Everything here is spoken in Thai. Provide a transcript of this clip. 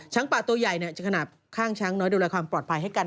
ป่าตัวใหญ่จะขนาดข้างช้างน้อยดูแลความปลอดภัยให้กัน